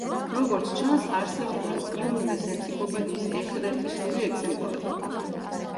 როგორც ჩანს, არსებობდა იუნლეს ენციკლოპედიის ერთადერთი სრული ეგზემპლარი.